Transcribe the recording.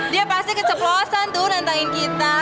dia pasti keceplosan tuh nantangin kita